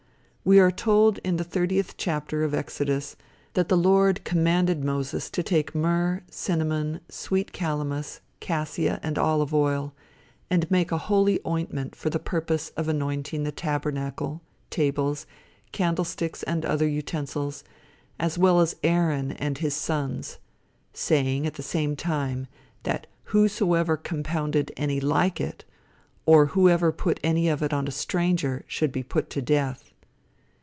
We are told in the thirtieth chapter of Exodus, that the Lord commanded Moses to take myrrh, cinnamon, sweet calamus, cassia, and olive oil, and make a holy ointment for the purpose of anointing the tabernacle, tables, candlesticks and other utensils, as well as Aaron and his sons; saying, at the same time, that whosoever compounded any like it, or whoever put any of it on a stranger, should be put to death.